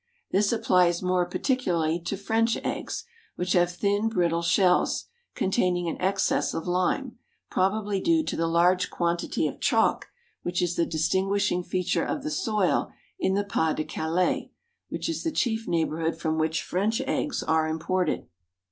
This applies more particularly to French eggs, which have thin, brittle shells containing an excess of lime, probably due to the large quantity of chalk which is the distinguishing feature of the soil in the Pas de Calais, which is the chief neighbourhood from which French eggs are imported.